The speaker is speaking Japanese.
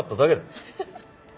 ハハハハ。